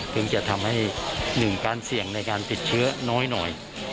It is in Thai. เพื่อจะทำให้๑การเสี่ยงในการติดเชื้อน้อย